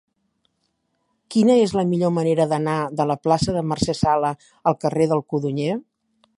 Quina és la millor manera d'anar de la plaça de Mercè Sala al carrer del Codonyer?